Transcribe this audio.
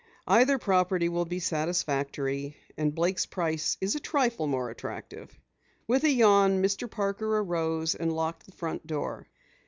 Either property will be satisfactory, and Blake's price is a trifle more attractive." With a yawn, Mr. Parker arose and locked the front door.